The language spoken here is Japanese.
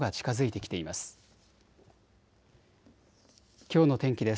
きょうの天気です。